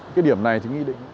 cái điểm này thì nghĩ định